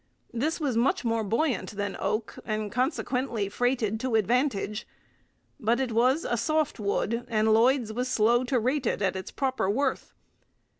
This was much more buoyant than oak, and consequently freighted to advantage. But it was a soft wood, and Lloyd's was slow to rate it at its proper worth.